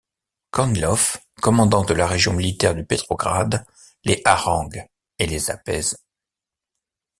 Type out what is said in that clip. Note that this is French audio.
Kornilov, commandant de la région militaire de Petrograd, les harangue et les apaise.